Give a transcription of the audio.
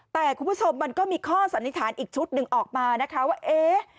แต่คุณผู้ชมมันก็มีข้อสันนิษฐานอีกชุดหนึ่งออกมานะคะว่าเอ๊ะ